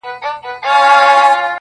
• چي دا ولي؟ راته ووایاست حالونه -